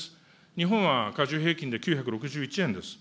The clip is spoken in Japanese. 日本は加重平均で９６１円です。